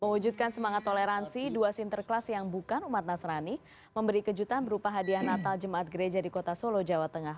mewujudkan semangat toleransi dua sinterklas yang bukan umat nasrani memberi kejutan berupa hadiah natal jemaat gereja di kota solo jawa tengah